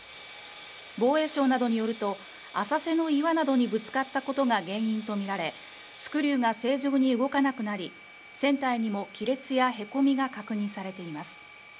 防衛省などによると、浅瀬の岩などにぶつかったことが原因とみられスクリューが正常に動かなくなり船体にも亀裂やへこみが確認されています。